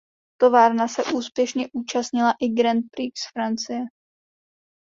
Továrna se úspěšně účastnila i Grand Prix Francie.